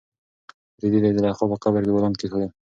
رېدي د زلیخا په قبر کې ګلان کېښودل.